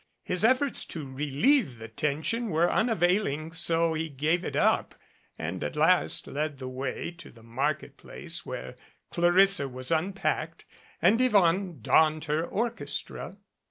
His efforts to relieve the tension were unavailing so he gave it up and at last led the way to the market place where Clarissa was unpacked and Yvonne donned her orchestra.